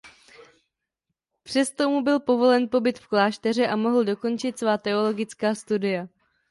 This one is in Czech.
Přesto mu byl povolen pobyt v klášteře a mohl dokončit svá teologická studia.